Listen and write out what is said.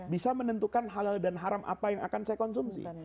bisa menentukan halal dan haram apa yang akan saya konsumsi